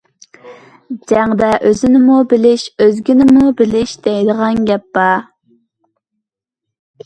جەڭدە ئۆزىنىمۇ بىلىش، ئۆزگىنىمۇ بىلىش دەيدىغان بىر گەپ بار.